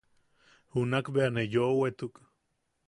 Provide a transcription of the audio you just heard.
Junakbea ne yoʼowetuk.